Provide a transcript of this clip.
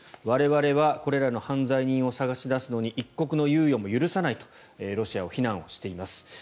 我々はこれらの犯罪人を捜し出すのに一刻の猶予も許さないとロシアを非難しています。